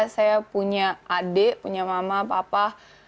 saya punya adik punya mama papa